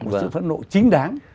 một sự phấn nộ chính đáng